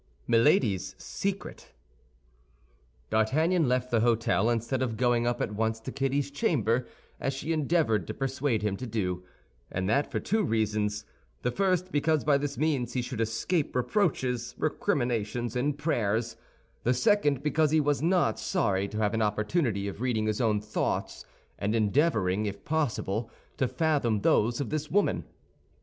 MILADY'S SECRET D'Artagnan left the hôtel instead of going up at once to Kitty's chamber, as she endeavored to persuade him to do—and that for two reasons: the first, because by this means he should escape reproaches, recriminations, and prayers; the second, because he was not sorry to have an opportunity of reading his own thoughts and endeavoring, if possible, to fathom those of this woman.